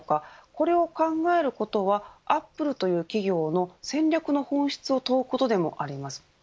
これを考えることはアップルという企業の戦略の本質を問うことでもあります。